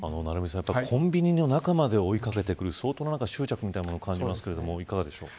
コンビニの中まで追い掛けてくる相当な執着を感じますがいかがでしょうか。